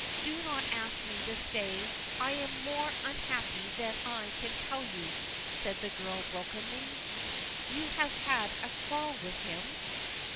Do not ask me to stay. I am more unhappy than I can tell you," said the girl brokenly. "You have had a quarrel with him?"